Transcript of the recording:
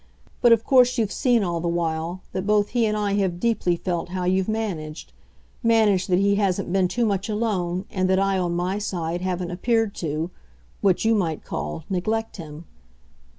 But of course you've seen, all the while, that both he and I have deeply felt how you've managed; managed that he hasn't been too much alone and that I, on my side, haven't appeared, to what you might call neglect him.